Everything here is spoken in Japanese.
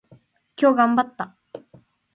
今日頑張った。